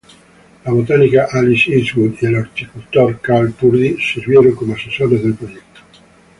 La botánica Alice Eastwood y el horticultor Carl Purdy sirvieron como asesores del proyecto.